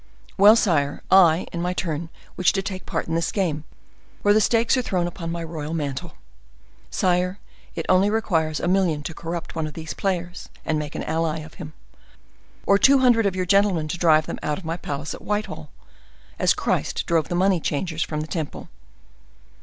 Well, sire, I, in my turn, wish to take part in this game, where the stakes are thrown upon my royal mantle. Sire, it only requires a million to corrupt one of these players and make an ally of him, or two hundred of your gentlemen to drive them out of my palace at Whitehall, as Christ drove the money changers from the temple."